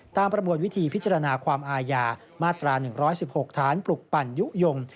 ประมวลวิธีพิจารณาความอาญามาตรา๑๑๖ฐานปลุกปั่นยุโยง